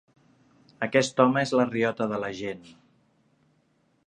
Aquest home és la riota de la gent.